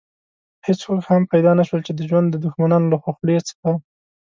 هېڅوک هم پيدا نه شول چې د ژوند د دښمنانو له خولې څخه.